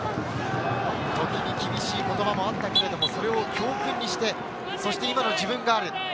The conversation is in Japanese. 時に厳しい言葉もあったけれども、それを教訓にして、そして今の自分がある。